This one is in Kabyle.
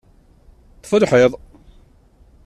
Ṭṭef lḥiḍ!